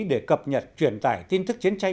để cập nhật truyền tải tin thức chiến tranh